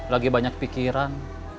lagi banyak pikiran